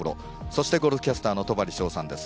そしてゴルフキャスターの戸張捷さんです。